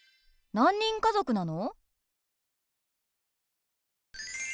何人家族なの？